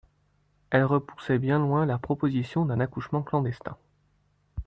Elle repoussait bien loin la proposition d'un accouchement clandestin.